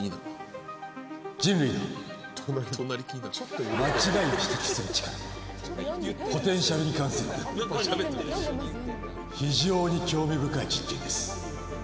人類の「間違いを指摘する力」のポテンシャルに関する非常に興味深い実験です。